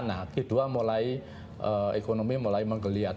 nah g dua mulai ekonomi mulai menggeliat